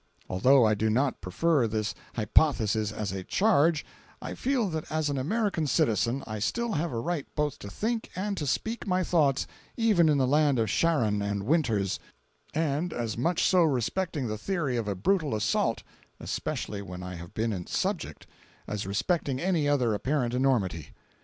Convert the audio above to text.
Although I do not prefer this hypothesis as a "charge," I feel that as an American citizen I still have a right both to think and to speak my thoughts even in the land of Sharon and Winters, and as much so respecting the theory of a brutal assault (especially when I have been its subject) as respecting any other apparent enormity.